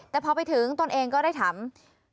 แต่พอไปถึงตนเองก็ได้ถาม